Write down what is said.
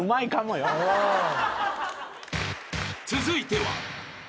［続いては］